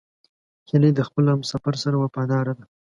هیلۍ د خپل همسفر سره وفاداره ده